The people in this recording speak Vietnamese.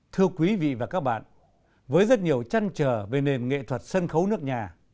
thưa quý vị và các bạn với rất nhiều trăn trở về nền nghệ thuật sân khấu nước nhà